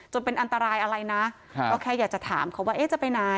เป็นอันตรายอะไรนะก็แค่อยากจะถามเขาว่าเอ๊ะจะไปไหน